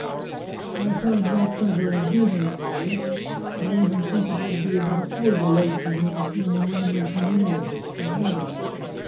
... I find no pleasure in hat ing anybody; I even think it would be but a poor delight to me to see my enemies humiliated, if I had any.